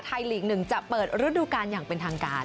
ไทยลีกหนึ่งจะเปิดฤดูการอย่างเป็นทางการ